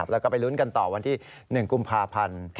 แล้วก็ไปลุ้นกันต่อวันที่๑กุมภาพันธ์